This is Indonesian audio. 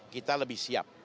kita lebih siap